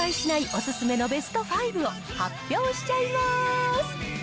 お勧めのベスト５を発表しちゃいます。